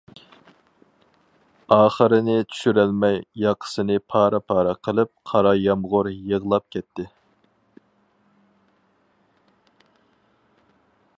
ئاخىرىنى چۈشۈرەلمەي ياقىسىنى پارە-پارە قىلىپ قار-يامغۇر يىغلاپ كەتتى.